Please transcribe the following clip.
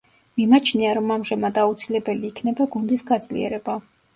მიმაჩნია, რომ ამჟამად აუცილებელი იქნება გუნდის გაძლიერება.